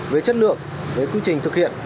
về chất lượng về quy trình thực hiện